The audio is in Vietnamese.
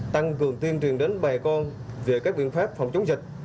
tăng cường tiên truyền đến bài con về các biện pháp phòng chống dịch